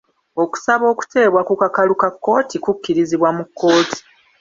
Okusaba okuteebwa ku kakalu ka kkooti kukirizibwa mu kkooti.